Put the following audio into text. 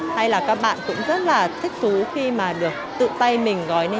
hay là các bạn cũng rất là thích thú khi mà được tự tay mình gói lên những trò chơi này